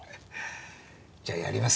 じゃあやりますか。